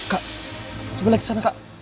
kak coba lihat di sana kak